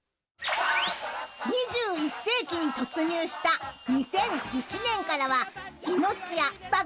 ［２１世紀に突入した２００１年からはいのっちや爆